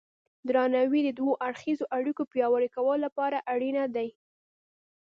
درناوی د دوه اړخیزو اړیکو پیاوړي کولو لپاره اړین دی.